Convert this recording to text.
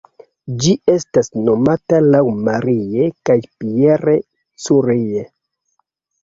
Ĝi estas nomata laŭ Marie kaj Pierre Curie.